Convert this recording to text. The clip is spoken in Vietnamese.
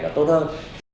nó tốt hơn